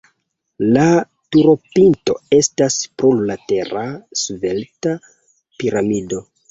La turopinto estas plurlatera svelta piramido.